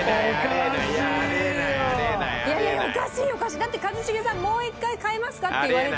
だって一茂さん「もう１回変えますか？」って言われて。